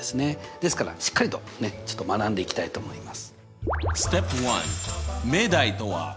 ですからしっかりと学んでいきたいと思います。